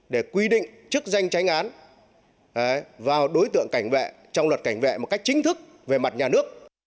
để quy định chức danh tránh án vào đối tượng cảnh vệ trong luật cảnh vệ một cách chính thức về mặt nhà nước